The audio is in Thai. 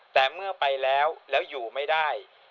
แต่เมื่อไปแล้วแล้วอยู่ไม่ได้